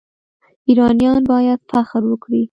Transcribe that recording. ایرانیان باید فخر وکړي.